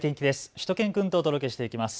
しゅと犬くんとお届けしていきます。